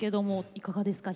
いかがですか？